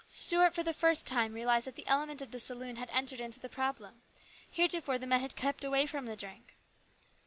Stuart for the first time realised that the element of the saloon had entered into the problem. Hereto fore the men had kept away from the drink.